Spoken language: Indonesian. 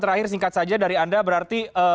terakhir singkat saja dari anda berarti